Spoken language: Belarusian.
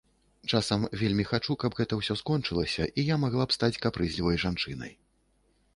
Часам вельмі хачу, каб гэта ўсё скончылася і я магла б стаць капрызлівай жанчынай.